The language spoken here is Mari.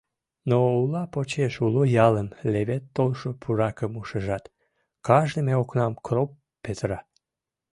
Но ула почеш уло ялым левед толшо пуракым ужешат, кажныже окнам кроп петыра.